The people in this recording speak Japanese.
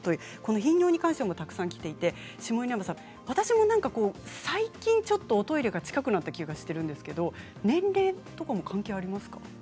頻尿に関してたくさんきていて私も最近ちょっとおトイレが近くなった気がしているんですが年齢とかも関係ありますか？